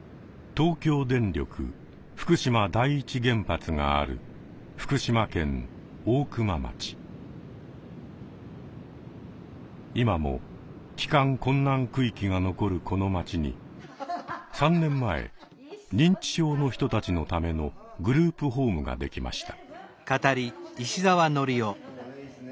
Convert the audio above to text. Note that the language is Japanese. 東京電力福島第一原発がある今も帰還困難区域が残るこの町に３年前認知症の人たちのためのグループホームができました。